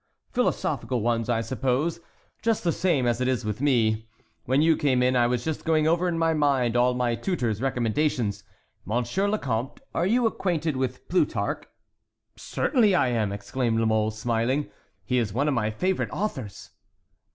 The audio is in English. "Philosophical ones, I suppose. Just the same as it is with me. When you came in I was just going over in my mind all my tutor's recommendations. Monsieur le Comte, are you acquainted with Plutarch?" "Certainly I am!" exclaimed La Mole, smiling, "he is one of my favorite authors."